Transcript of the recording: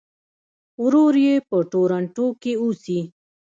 ورور یې په ټورنټو کې اوسي.